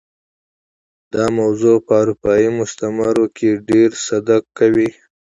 دا موضوع په اروپايي مستعمرو کې ډېر صدق کوي.